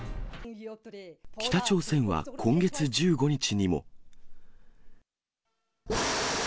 北朝鮮は今月１５日にも。